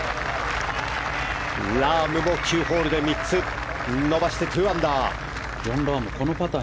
ラームも９ホールで３つ伸ばして２２アンダー。